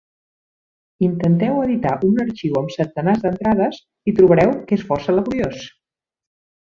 Intenteu editar un arxiu amb centenars d'entrades, i trobareu que és força laboriós.